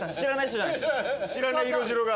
知らない色白が。